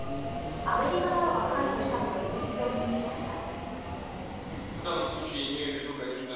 アメリカなどが関与したとの認識を示しました。